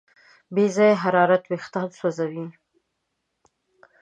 بې ځایه حرارت وېښتيان سوځوي.